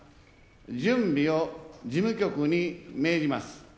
準備を事務局に命じます。